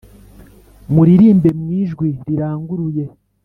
muririmbe mu ijwi riranguruye